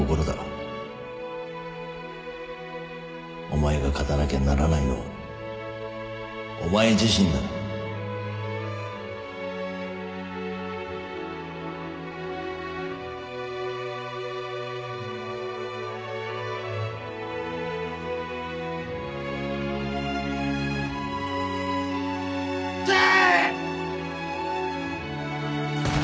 お前が勝たなきゃならないのはお前自身だ撃て！